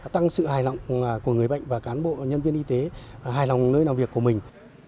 tăng sự hài lòng của người bệnh và cán bộ nhân viên y tế hài lòng nơi làm việc của mình